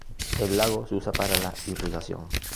El lago se usa para la irrigación.